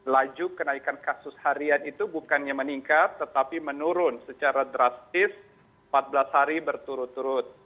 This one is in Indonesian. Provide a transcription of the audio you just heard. laju kenaikan kasus harian itu bukannya meningkat tetapi menurun secara drastis empat belas hari berturut turut